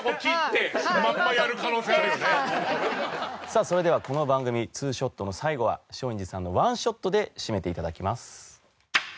さあそれではこの番組『２ショット』の最後は松陰寺さんの１ショットで締めていただきます。